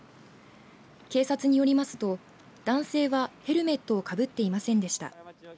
警察によりますと男性はヘルメットをかぶっていませんでした。